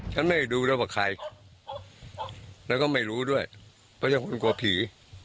ดีใจกับเขาเลยอยู่ในโรงแรงนี้